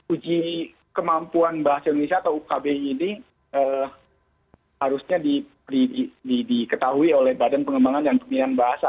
uji kemampuan bahasa indonesia atau ukbi ini harusnya diketahui oleh badan pengembangan dan pemilihan bahasa